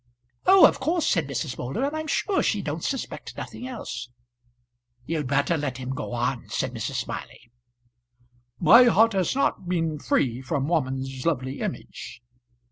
"Oh of course," said Mrs. Moulder; "and I'm sure she don't suspect nothing else." "You'd better let him go on," said Mrs. Smiley. "My heart has not been free from woman's lovely image."